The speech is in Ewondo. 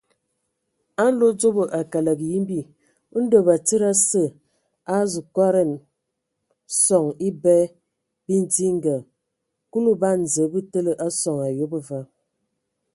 A nlodzobo a kələg yimbi, Ndɔ batsidi asǝ a azu kɔdan sɔŋ ebɛ bidinga; Kulu ban Zǝə bə təlǝ a soŋ ayob va.